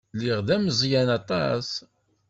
Lliɣ d ameẓyan aṭas.